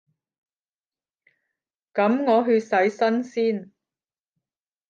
噉我去洗身先